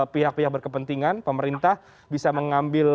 pihak pihak berkepentingan pemerintah bisa mengambil